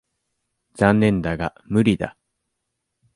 残念だが無理だ。